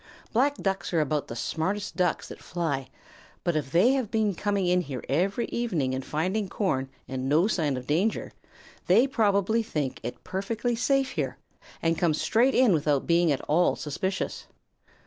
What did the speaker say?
Black Ducks are about the smartest Ducks that fly, but if they have been coming in here every evening and finding corn and no sign of danger, they probably think it perfectly safe here and come straight in without being at all suspicious.